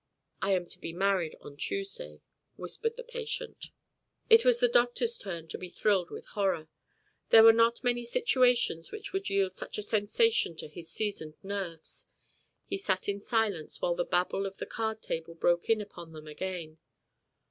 "I am to be married on Tuesday," whispered the patient. It was the doctor's turn to be thrilled with horror. There were not many situations which would yield such a sensation to his seasoned nerves. He sat in silence while the babble of the card table broke in upon them again.